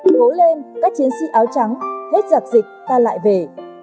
ngố lên các chiến sĩ áo trắng hết giặc dịch ta lại về